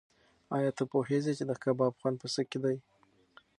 ایا ته پوهېږې چې د کباب خوند په څه کې دی؟